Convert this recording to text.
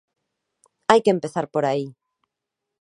Hai que empezar por aí.